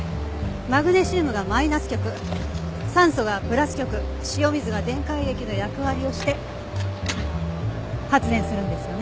マグネシウムがマイナス極酸素がプラス極塩水が電解液の役割をして発電するんですよね？